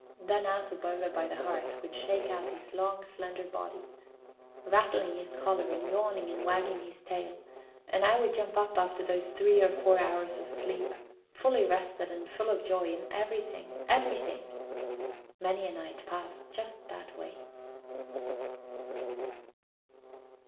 Then Æsop over by the hearth would shake out his long, slender body, rattling his collar, and yawning and wagging his tail, and I would jump up, after those three or four hours of sleep, fully rested and full of joy in everything ... everything. Many a night passed just that way.